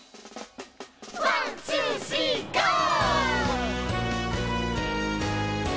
ワンツースリーゴー！